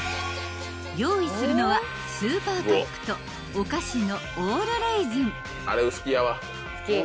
［用意するのはスーパーカップとお菓子のオールレーズン］